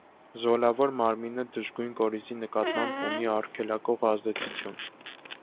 Զոլավոր մարմինը դժգույն կորիզի նկատմամբ ունի արգելակող ազդեցություն։